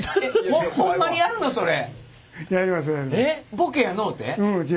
ボケやのうて？